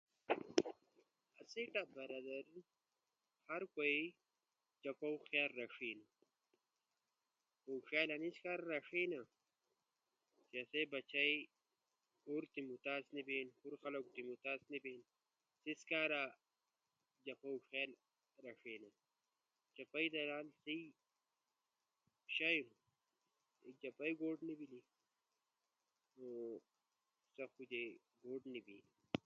آسئی ٹبرا در ہر کوئی جپؤ خیال رݜینا۔ خو خیال انیس کارا رݜینا کے اسئی بچئی ہور تی متاز نی بینو، ہور خلقو تی متاز نی بینو، سیس کارا جپؤ خیال رݜینا۔ جپئی تا لالو سہی شیئی ہنو۔ اے جپئی گوٹ تی نی بیلی نو سا کو جے گوٹ نہ بیلی۔